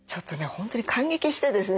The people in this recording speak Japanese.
本当に感激してですね